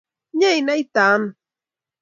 inye inaitai ano